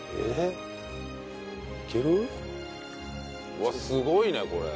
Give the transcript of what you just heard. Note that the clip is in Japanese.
うわっすごいねこれ。